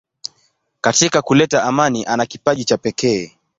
Katika kuleta amani ana kipaji cha pekee.